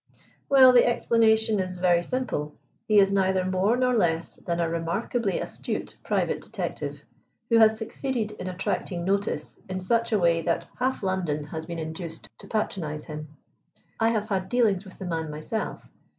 "Well, the explanation is very simple. He is neither more nor less than a remarkably astute private detective, who has succeeded in attracting notice in such a way that half London has been induced to patronize him. I have had dealings with the man myself.